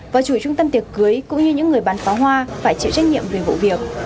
và chủ trung tâm tiệc cưới cũng như những người bán pháo hoa phải chịu trách nhiệm về vụ việc